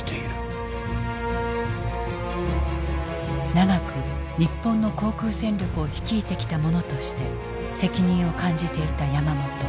長く日本の航空戦力を率いてきた者として責任を感じていた山本。